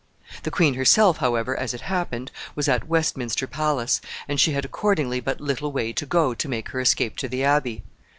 The queen herself, however, as it happened, was at Westminster Palace, and she had accordingly but little way to go to make her escape to the Abbey.